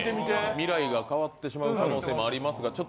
未来が変わってしまう可能性もありますが。